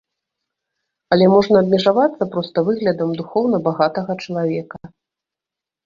Але можна абмежавацца проста выглядам духоўна багатага чалавека.